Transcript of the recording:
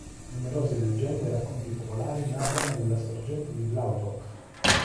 Numerose leggende e racconti popolari narrano della sorgente di Blautopf.